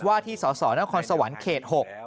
ว่าที่สสนครสวรรค์เขต๖